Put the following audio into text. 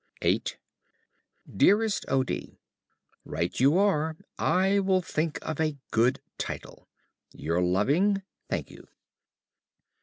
VIII Dearest O. D., Right you are. I will think of a good title. Your loving, ~Thankyou.